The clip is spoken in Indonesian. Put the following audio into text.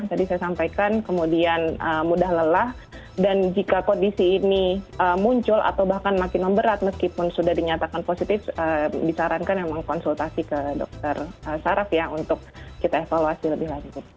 tadi saya sampaikan kemudian mudah lelah dan jika kondisi ini muncul atau bahkan makin memberat meskipun sudah dinyatakan positif disarankan memang konsultasi ke dokter saraf ya untuk kita evaluasi lebih lanjut